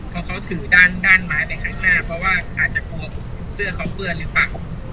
เพราะเขาถือด้านไม้ไปข้างหน้าเพราะว่าอาจจะกลัวเสื้อเขาเปื้อนหรือเปล่า